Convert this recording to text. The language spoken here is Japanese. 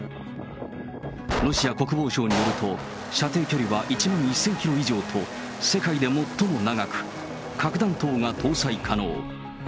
ロシア国防省によると、射程距離は１万１０００キロ以上と世界で最も長く、核弾頭が搭載可能。